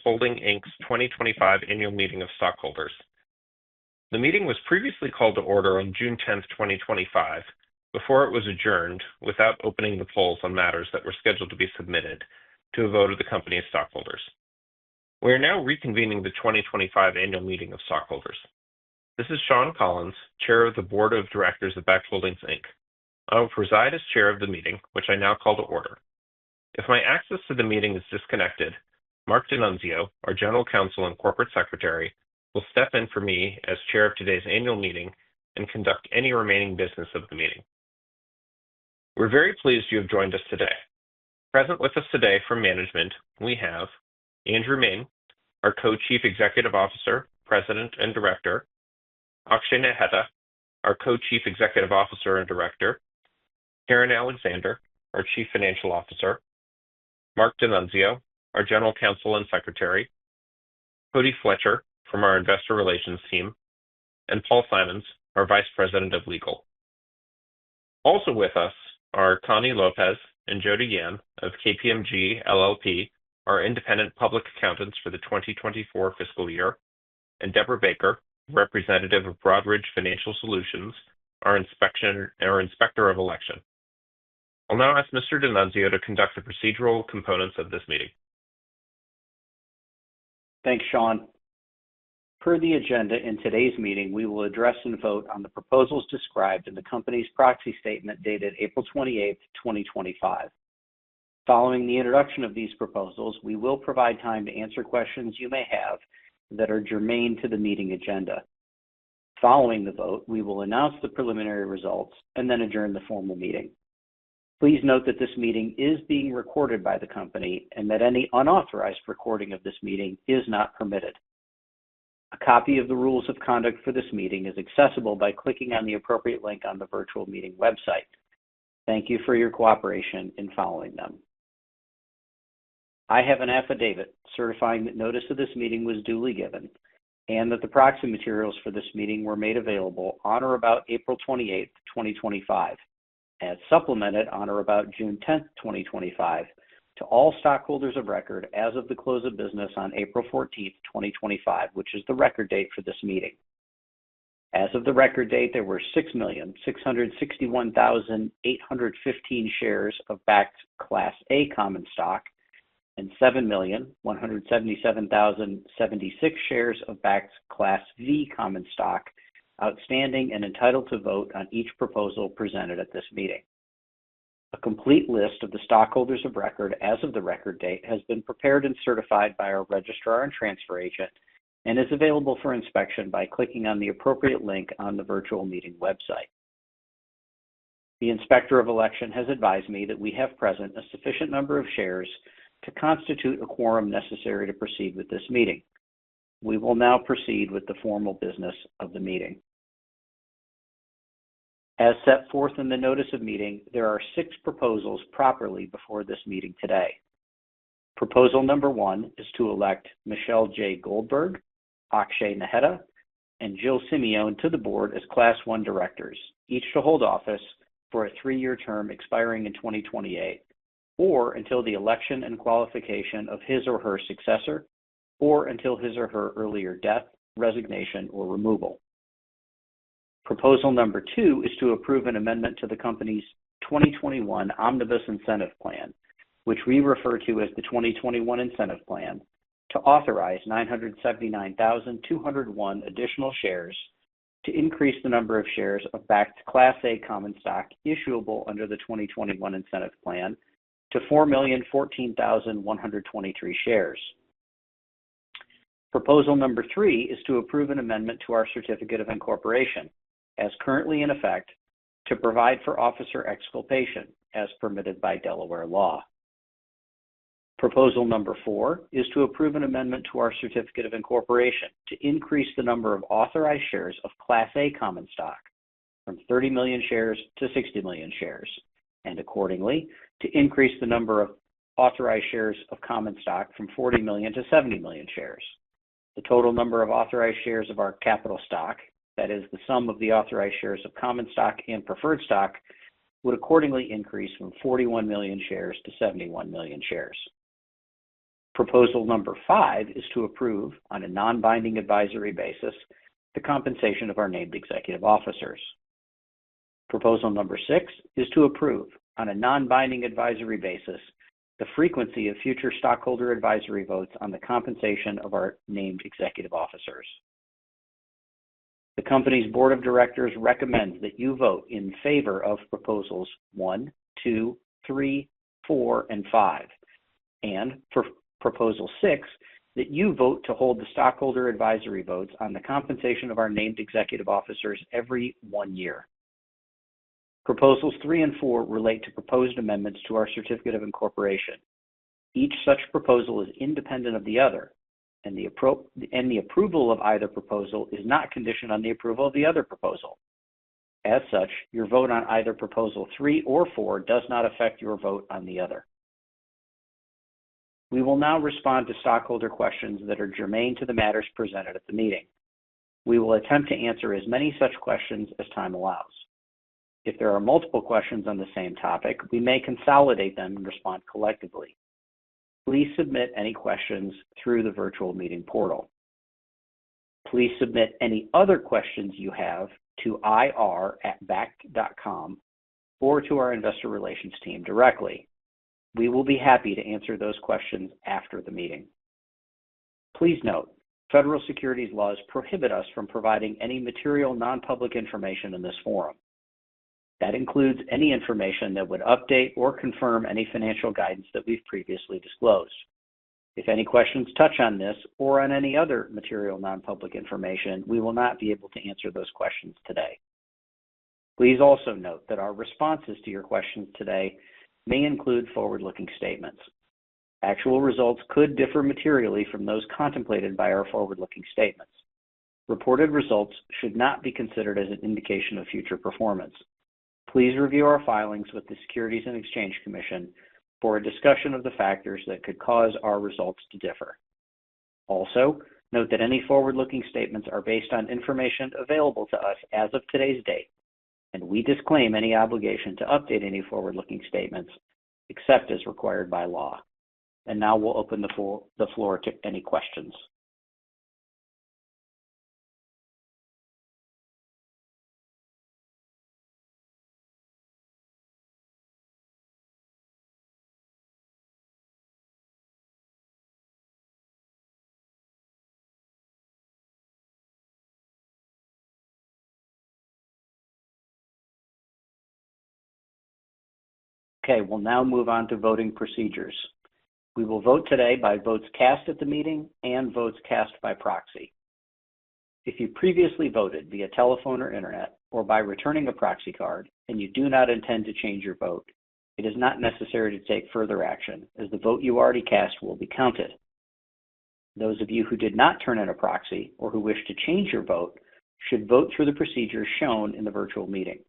Bakkt Holdings, Inc.'s 2025 Annual Meeting of Stockholders. The meeting was previously called to order on June 10, 2025, before it was adjourned without opening the polls on matters that were scheduled to be submitted to a vote of the company's stockholders. We are now reconvening the 2025 Annual Meeting of Stockholders. This is Sean Collins, Chair of the Board of Directors of Bakkt Holdings, Inc.. I will preside as Chair of the meeting, which I now call to order. If my access to the meeting is disconnected, Marc D'Annunzio, our General Counsel and Corporate Secretary, will step in for me as Chair of today's Annual Meeting and conduct any remaining business of the meeting. We're very pleased you have joined us today. Present with us today from management, we have Andrew Main, our Co-Chief Executive Officer, President and Director, Akshay Naheta, our Co-Chief Executive Officer and Director, Karen Alexander, our Chief Financial Officer, Marc D'Annunzio, our General Counsel and Secretary, Cody Fletcher from our Investor Relations Team, and Paul Simmons, our Vice President of Legal. Also with us are Connie Lopez and Jodie Yan of KPMG LLP, our Independent Public Accountants for the 2024 fiscal year, and Deborah Baker, Representative of Broadridge Financial Solutions, our Inspector of Election. I'll now ask Mr. D'Annunzio to conduct the procedural components of this meeting. Thanks, Sean. Per the agenda in today's meeting, we will address and vote on the proposals described in the company's proxy statement dated April 28, 2025. Following the introduction of these proposals, we will provide time to answer questions you may have that are germane to the meeting agenda. Following the vote, we will announce the preliminary results and then adjourn the formal meeting. Please note that this meeting is being recorded by the company and that any unauthorized recording of this meeting is not permitted. A copy of the rules of conduct for this meeting is accessible by clicking on the appropriate link on the virtual meeting website. Thank you for your cooperation in following them. I have an affidavit certifying that notice of this meeting was duly given and that the proxy materials for this meeting were made available on or about April 28, 2025, and supplemented on or about June 10, 2025, to all stockholders of record as of the close of business on April 14, 2025, which is the record date for this meeting. As of the record date, there were 6,661,815 shares of Bakkt Class A common stock and 7,177,076 shares of Bakkt Class V common stock outstanding and entitled to vote on each proposal presented at this meeting. A complete list of the stockholders of record as of the record date has been prepared and certified by our Registrar and Transfer Agent and is available for inspection by clicking on the appropriate link on the virtual meeting website. The Inspector of Election has advised me that we have present a sufficient number of shares to constitute a quorum necessary to proceed with this meeting. We will now proceed with the formal business of the meeting. As set forth in the notice of meeting, there are six proposals properly before this meeting today. Proposal number 1 is to elect Michelle J. Goldberg, Akshay Naheta, and Jill Simeone to the board as Class I directors, each to hold office for a three-year term expiring in 2028 or until the election and qualification of his or her successor or until his or her earlier death, resignation, or removal. Proposal number 2 is to approve an amendment to the company's 2021 Omnibus Incentive Plan, which we refer to as the 2021 Incentive Plan, to authorize 979,201 additional shares to increase the number of shares of Bakkt Class A common stock issuable under the 2021 Incentive Plan to 4,014,123 shares. Proposal number 3 is to approve an amendment to our Certificate of Incorporation, as currently in effect, to provide for officer exculpation as permitted by Delaware law. Proposal number 4 is to approve an amendment to our Certificate of Incorporation to increase the number of authorized shares of Class A common stock from 30 million shares to 60 million shares and, accordingly, to increase the number of authorized shares of common stock from 40 million to 70 million shares. The total number of authorized shares of our capital stock, that is, the sum of the authorized shares of common stock and preferred stock, would accordingly increase from 41 million shares to 71 million shares. Proposal number 5 is to approve, on a non-binding advisory basis, the compensation of our named executive officers. Proposal number 6 is to approve, on a non-binding advisory basis, the frequency of future stockholder advisory votes on the compensation of our named executive officers. The company's Board of Directors recommends that you vote in favor of proposals 1, 2, 3, 4, and 5, and for proposal 6, that you vote to hold the stockholder advisory votes on the compensation of our named executive officers every one year. Proposals 3 and 4 relate to proposed amendments to our Certificate of Incorporation. Each such proposal is independent of the other, and the approval of either proposal is not conditioned on the approval of the other proposal. As such, your vote on either proposal 3 or 4 does not affect your vote on the other. We will now respond to stockholder questions that are germane to the matters presented at the meeting. We will attempt to answer as many such questions as time allows. If there are multiple questions on the same topic, we may consolidate them and respond collectively. Please submit any questions through the virtual meeting portal. Please submit any other questions you have to ir@bakkt.com or to our Investor Relations Team directly. We will be happy to answer those questions after the meeting. Please note, federal securities laws prohibit us from providing any material non-public information in this forum. That includes any information that would update or confirm any financial guidance that we've previously disclosed. If any questions touch on this or on any other material non-public information, we will not be able to answer those questions today. Please also note that our responses to your questions today may include forward-looking statements. Actual results could differ materially from those contemplated by our forward-looking statements. Reported results should not be considered as an indication of future performance. Please review our filings with the Securities and Exchange Commission for a discussion of the factors that could cause our results to differ. Also, note that any forward-looking statements are based on information available to us as of today's date, and we disclaim any obligation to update any forward-looking statements except as required by law. Now we'll open the floor to any questions. Okay, we'll now move on to voting procedures. We will vote today by votes cast at the meeting and votes cast by proxy. If you previously voted via telephone or internet or by returning a proxy card and you do not intend to change your vote, it is not necessary to take further action, as the vote you already cast will be counted. Those of you who did not turn in a proxy or who wish to change your vote should vote through the procedure shown in the virtual meeting.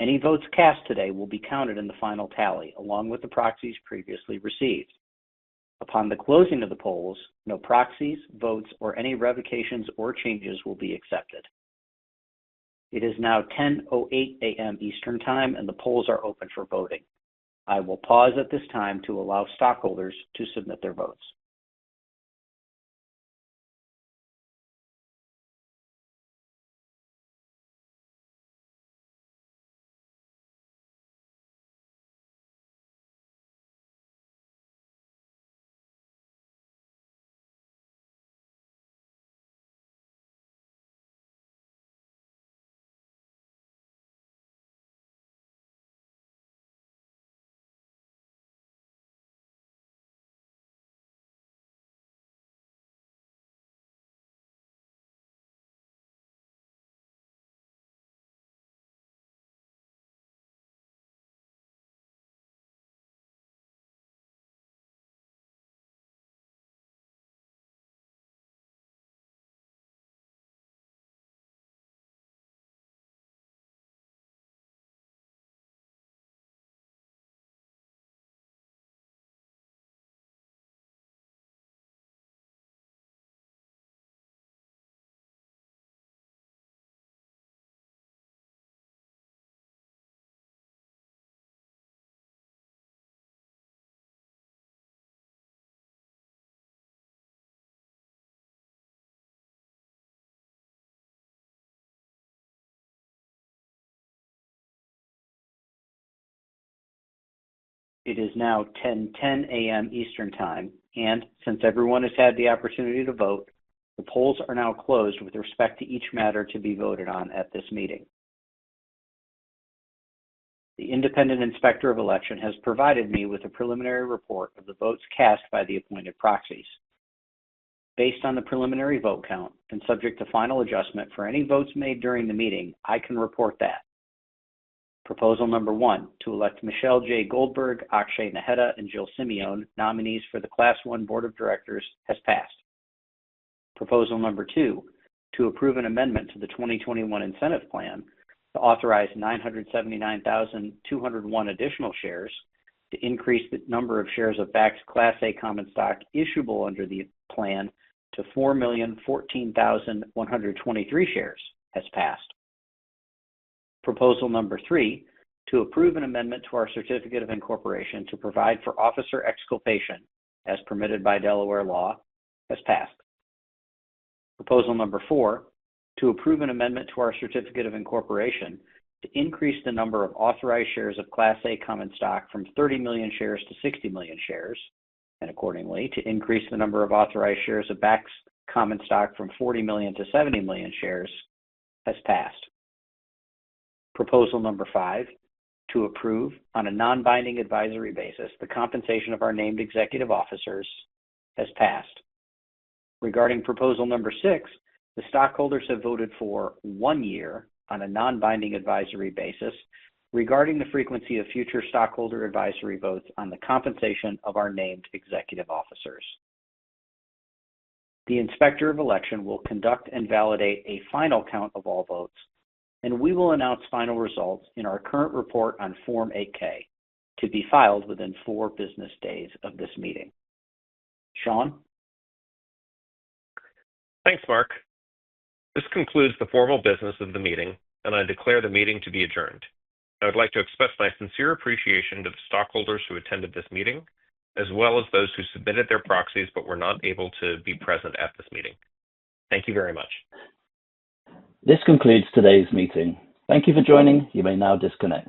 Any votes cast today will be counted in the final tally along with the proxies previously received. Upon the closing of the polls, no proxies, votes, or any revocations or changes will be accepted. It is now 10:08 A.M. Eastern Time, and the polls are open for voting. I will pause at this time to allow stockholders to submit their votes. It is now 10:10 A.M. Eastern Time, and since everyone has had the opportunity to vote, the polls are now closed with respect to each matter to be voted on at this meeting. The Independent Inspector of Election has provided me with a preliminary report of the votes cast by the appointed proxies. Based on the preliminary vote count and subject to final adjustment for any votes made during the meeting, I can report that. Proposal number 1 to elect Michelle J. Goldberg, Akshay Naheta, and Jill Simeone, nominees for the Class I Board of Directors, has passed. Proposal number 2 to approve an amendment to the 2021 Incentive Plan to authorize 979,201 additional shares to increase the number of shares of Bakkt Class A common stock issuable under the plan to 4,014,123 shares has passed. Proposal number 3 to approve an amendment to our Certificate of Incorporation to provide for officer exculpation as permitted by Delaware law has passed. Proposal number 4 to approve an amendment to our Certificate of Incorporation to increase the number of authorized shares of Class A common stock from 30 million shares to 60 million shares and, accordingly, to increase the number of authorized shares of Bakkt common stock from 40 million to 70 million shares has passed. Proposal number 5 to approve on a non-binding advisory basis the compensation of our named executive officers has passed. Regarding proposal number 6, the stockholders have voted for one year on a non-binding advisory basis regarding the frequency of future stockholder advisory votes on the compensation of our named executive officers. The Inspector of Election will conduct and validate a final count of all votes, and we will announce final results in our current report on Form 8-K to be filed within four business days of this meeting. Sean? Thanks, Marc. This concludes the formal business of the meeting, and I declare the meeting to be adjourned. I would like to express my sincere appreciation to the stockholders who attended this meeting as well as those who submitted their proxies but were not able to be present at this meeting. Thank you very much. This concludes today's meeting. Thank you for joining. You may now disconnect.